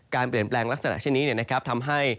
เปลี่ยนแปลงลักษณะเช่นนี้ทำให้